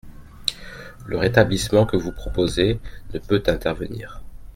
Le rétablissement que vous proposez ne peut intervenir.